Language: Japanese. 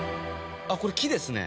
あっこれ木ですね。